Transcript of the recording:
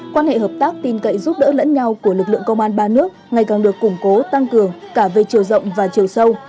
quan hệ hợp tác tin cậy giúp đỡ lẫn nhau của lực lượng công an ba nước ngày càng được củng cố tăng cường cả về chiều rộng và chiều sâu